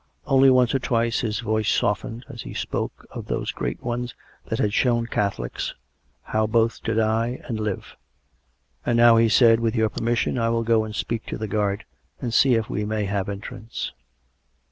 ... Only once or twice his voice softened, as he spoke of those great ones that had shown Catholics how both to die and live. 158 COME RACK! COME ROPE! " And now," he said, " with your permission I will go and speak to the guard, and see if we may have entrance."